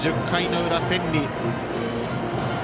１０回の裏、天理。